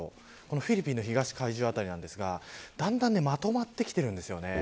フィリピンの東の海上辺りですがだんだんまとまってきているんです。